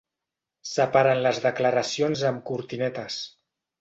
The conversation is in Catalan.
Separen les declaracions amb cortinetes.